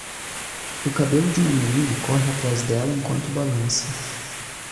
O cabelo de uma menina corre atrás dela enquanto balança